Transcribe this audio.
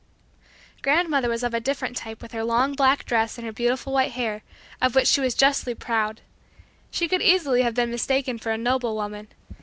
Grandmother was of a different type with her long black dress and her beautiful white hair, of which she was justly proud. She could easily have been mistaken for a noblewoman.